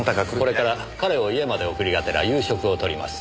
これから彼を家まで送りがてら夕食をとります。